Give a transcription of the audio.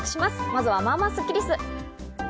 まずは、まぁまぁスッキりす。